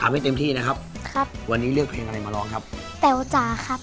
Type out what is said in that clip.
ให้เต็มที่นะครับครับวันนี้เลือกเพลงอะไรมาร้องครับแต๋วจ๋าครับ